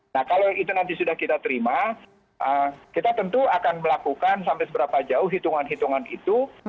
nah kalau itu nanti sudah kita terima kita tentu akan melakukan sampai seberapa jauh hitungan hitungan itu